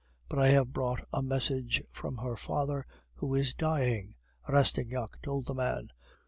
"But I have brought a message from her father, who is dying," Rastignac told the man.